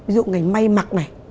ví dụ ngành mây mặt này